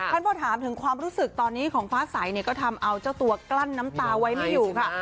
พอถามถึงความรู้สึกตอนนี้ของฟ้าใสเนี่ยก็ทำเอาเจ้าตัวกลั้นน้ำตาไว้ไม่อยู่ค่ะ